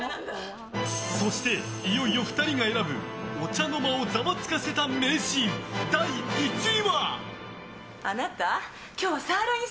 そして、いよいよ２人が選ぶお茶の間をザワつかせた名シーン第１位は。